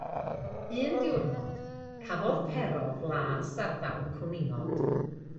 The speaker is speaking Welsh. Un diwrnod, cafodd Pero flas ar ddal cwningod.